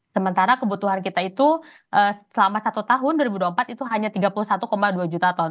sementara kebutuhan kita itu selama satu tahun dua ribu dua puluh empat itu hanya tiga puluh satu dua juta ton